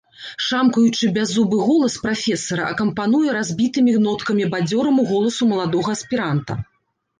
Шамкаючы бяззубы голас прафесара акампануе разбітымі ноткамі бадзёраму голасу маладога аспіранта.